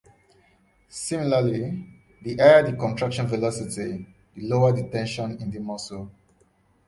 Similarly, the higher the contraction velocity, the lower the tension in the muscle.